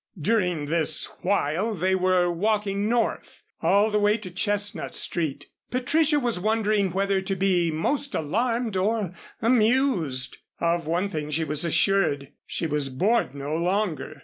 During this while they were walking north. All the way to Chestnut Street, Patricia was wondering whether to be most alarmed or amused. Of one thing she was assured, she was bored no longer.